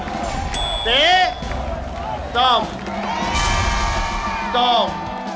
สีส้มสีส้มส้ม